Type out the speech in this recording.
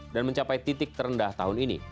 dan mencapai titik terendah tahun ini